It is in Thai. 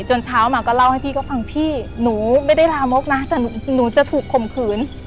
เช้ามาก็เล่าให้พี่ก็ฟังพี่หนูไม่ได้ลามกนะแต่หนูจะถูกข่มขืน